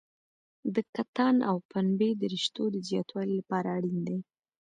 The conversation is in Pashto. د کتان او پنبې د رشتو د زیاتوالي لپاره اړین دي.